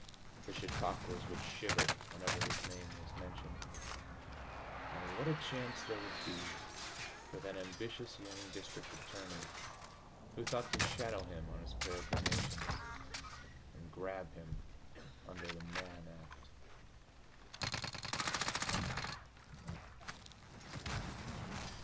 The chautauquas would shiver whenever his name was mentioned.... And what a chance there would be for that ambitious young district attorney who thought to shadow him on his peregrinations and grab him under the Mann Act!